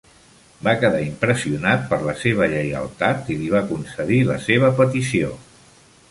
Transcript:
Va quedar impressionat per la seva lleialtat i li va concedir la seva petició.